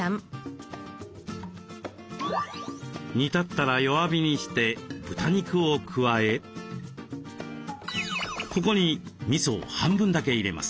煮立ったら弱火にして豚肉を加えここにみそを半分だけ入れます。